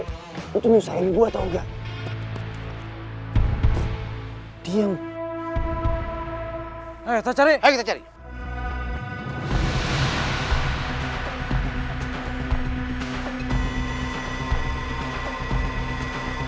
lo tuh nusahin gue tau gak